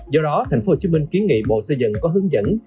do đó tp hcm kiến nghị bộ xây dựng có hướng dẫn